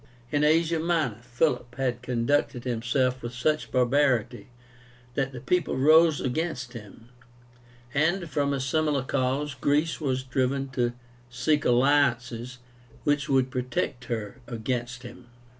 In Asia Minor Philip had conducted himself with such barbarity that the people rose against him; and from a similar cause Greece was driven to seek alliances which would protect her against him.